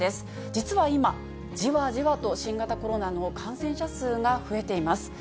実は今、じわじわと新型コロナの感染者数が増えています。